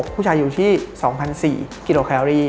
ผู้ชายอยู่ที่๒๔๐๐กิโลแคลอรี่